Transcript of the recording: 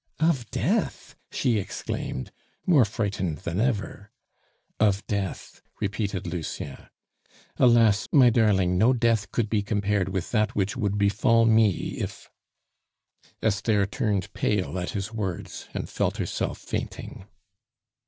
"Of death!" she exclaimed, more frightened than ever. "Of death," repeated Lucien. "Alas! my darling, no death could be compared with that which would befall me if " Esther turned pale at his words, and felt herself fainting.